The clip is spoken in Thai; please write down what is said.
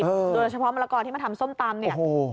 ดวงแต่เฉพาะมะละกอที่มาทำส้มตำ